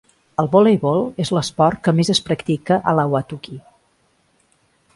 El voleibol és l'esport que més es practica a Ahwatukee.